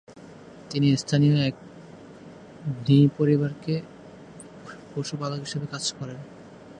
তিনি স্থানীয় এক ধ্নী পরিবারের পশুপালক হিসেবে কাজ করেন।